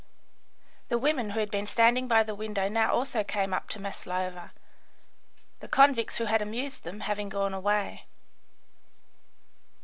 The women who had been standing by the window now also came up to Maslova, the convicts who had amused them having gone away.